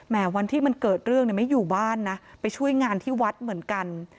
วันที่มันเกิดเรื่องเนี่ยไม่อยู่บ้านนะไปช่วยงานที่วัดเหมือนกัน